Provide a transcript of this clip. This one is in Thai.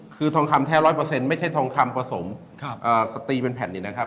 คือทองคำแท้ร้อยเปอร์เซ็นต์ไม่ใช่ทองคำผสมครับเอ่อสตรีเป็นแผ่นนี้นะครับ